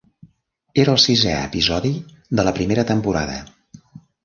Era el sisè episodi de la primera temporada.